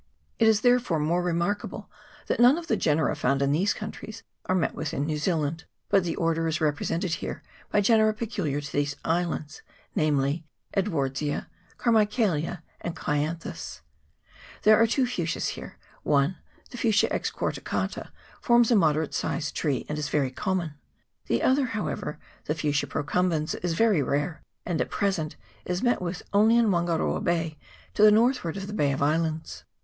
It is therefore more re markable that none of the genera found in these countries are met with in New Zealand : but the order is represented here by genera peculiar to 122 TE AWA ITI. [PART i. these islands ; namely, Edwardsia, Carmicliaelia, and Clianthus. There are two fuchsias here : one, the Fuchsia excorticata, forms a moderate sized tree, and is very common ; the other, however, the Fuch sia procumbens, is very rare, and at present is met with only in Wangaroa Bay, to the northward of the Bay of Islands.